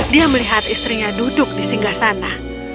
dia melihat istrinya duduk di singgah sana